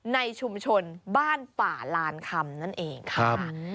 ในชุมชนบ้านป่าลานคำนั่นเองค่ะ